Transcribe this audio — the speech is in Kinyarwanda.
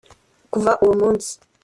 Kuva uwo munsi